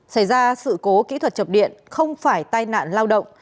xảy ra sự cố kỹ thuật chập điện không phải tai nạn lao động